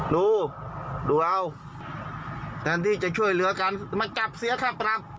ดูดูเอาแทนที่จะช่วยเหลือกันมันกลับเสียค่าปรับ